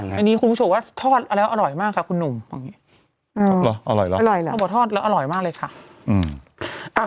เขาก็บอกว่าทอดแล้วอร่อยมากค่ะคุณหนุ่มบอกทอดแล้วอร่อยมากเลยค่ะ